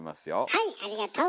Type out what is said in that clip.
はいありがとう！